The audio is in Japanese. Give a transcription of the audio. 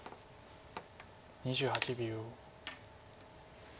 ２８秒。